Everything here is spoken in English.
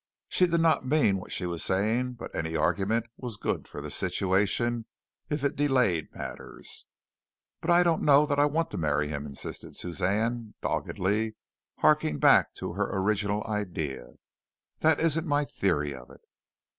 She did not mean what she was saying, but any argument was good for the situation, if it delayed matters. "But I don't know that I want to marry him," insisted Suzanne, doggedly, harking back to her original idea. "That isn't my theory of it."